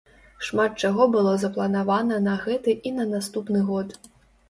Шмат чаго было запланавана на гэты і на наступны год.